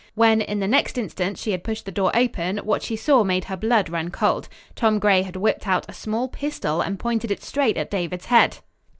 When, in the next instant, she had pushed the door open, what she saw made her blood run cold. Tom Gray had whipped out a small pistol and pointed it straight at David's head.